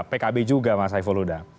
pkb juga mas saiful huda